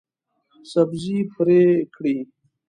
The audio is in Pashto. سبزي پرې کړئ